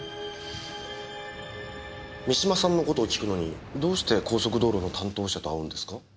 三島さんのことを訊くのにどうして高速道路の担当者と会うんですか？